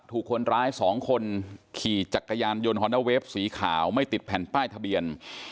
ถูกคนร้าย๒คนขี่จักรยานยนต์ฮอนด้าเวฟสีขาวไม่ติดแผ่นป้ายทะเบียน